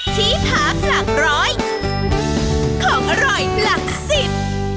ที่พักหลักร้อยของอร่อยหลักสิบ